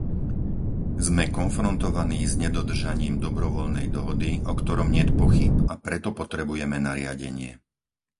Sme konfrontovaní s nedodržaním dobrovoľnej dohody, o ktorom niet pochýb, a preto potrebujeme nariadenie.